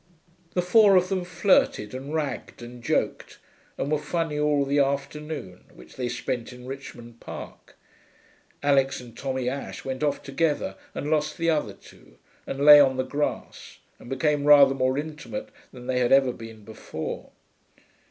The four of them flirted and ragged and joked and were funny all the afternoon, which they spent in Richmond Park. Alix and Tommy Ashe went off together and lost the other two, and lay on the grass, and became rather more intimate than they had ever been before.